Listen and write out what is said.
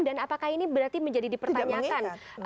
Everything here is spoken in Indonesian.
dan apakah ini berarti menjadi dipertanyakan